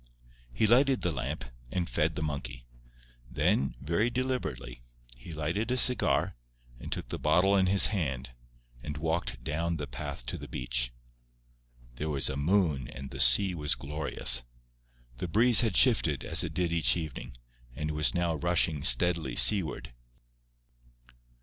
He lighted the lamp and fed the monkey. Then, very deliberately, he lighted a cigar, and took the bottle in his hand, and walked down the path to the beach. There was a moon, and the sea was glorious. The breeze had shifted, as it did each evening, and was now rushing steadily seaward.